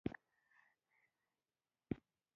د شعرونو دا لاندينۍ نمونې ددوې د وېبلاګ نه نقل کومه